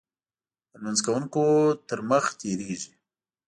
د لمونځ کوونکو تر مخې تېرېږي.